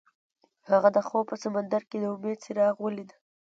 هغه د خوب په سمندر کې د امید څراغ ولید.